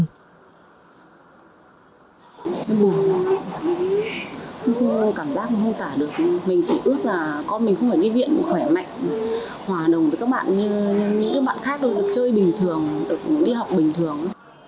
em buồn cảm giác không tả được mình chỉ ước là con mình không phải đi viện khỏe mạnh hòa đồng với các bạn khác được chơi bình thường được đi học bình thường